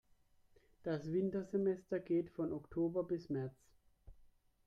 Das Wintersemester geht von Oktober bis März.